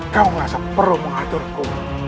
kau tidak perlu mengaturku